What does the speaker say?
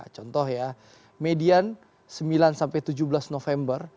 contoh ya median sembilan sampai tujuh belas november